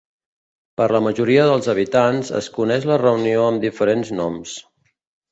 Per la majoria dels habitants, es coneix la reunió amb diferents noms.